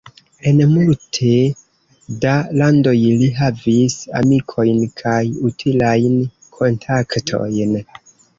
En multe da landoj li havis amikojn kaj utilajn kontaktojn.